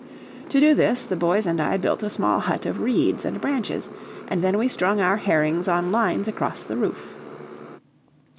To do this, the boys and I built a small hut of reeds and branches, and then we strung our herrings on lines across the roof.